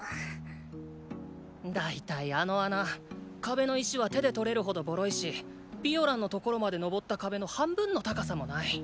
大体あの穴壁の石は手で取れるほどボロいしピオランの所まで登った壁の半分の高さもない！